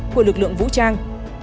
của lực lượng vũ trang